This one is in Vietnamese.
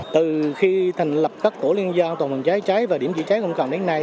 từ khi thành lập các tổ liên ra tổ liên ra cháy và điểm chỉ cháy công cộng đến nay